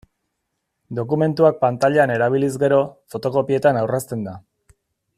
Dokumentuak pantailan erabiliz gero, fotokopietan aurrezten da.